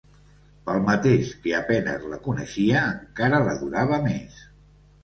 Pel mateix que a penes la coneixia, encara l'adorava més.